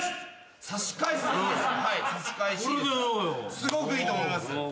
すごくいいと思います。